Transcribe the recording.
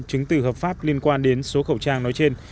chứng từ hợp pháp liên quan đến số khẩu trang nói trên